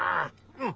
うん。